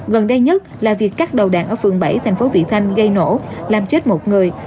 gần đây nhất là việc cắt đầu đạn ở phường bảy thành phố vị thanh gây nổ làm chết một người